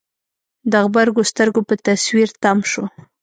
د غبرګو سترګو په تصوير تم شو.